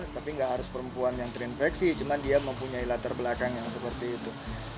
tapi nggak harus perempuan yang terinfeksi cuma dia mempunyai latar belakang yang seperti itu